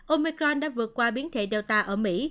omicron đã vượt qua biến thể delta ở mỹ